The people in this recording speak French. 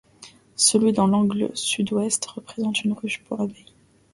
Celui dans l'angle sud-ouest représente une ruche pour abeilles.